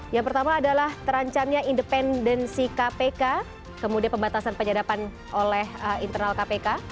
yang pertama adalah terancamnya independensi kpk kemudian pembatasan penyadapan oleh internal kpk